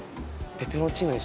ペペロンチーノで。